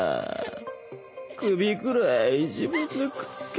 首くらい自分でくっつけろよなぁ。